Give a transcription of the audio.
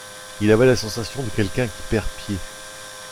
Il avait la sensation de quelqu’un qui perd pied.